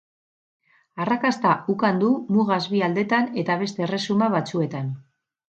Arrakasta ukan du mugaz bi aldetan eta beste erresuma batzuetan.